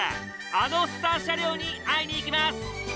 あのスター車両に会いにいきます。